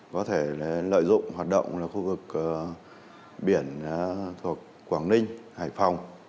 có thể lợi dụng hoạt động là khu vực biển thuộc quảng ninh hải phòng